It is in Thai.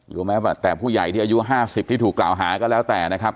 รู้ไหมวะแต่ผู้ใหญ่ที่อายุห้าสิบที่ถูกกล่าวหาก็แล้วแต่นะครับ